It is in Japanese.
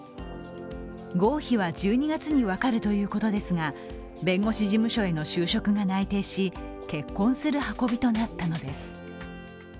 合否は１２月に分かるということですが、弁護士事務所への就職が内定し結婚する運びとなったのです。